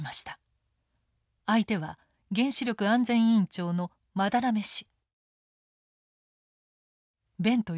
相手は原子力安全委員長の班目氏。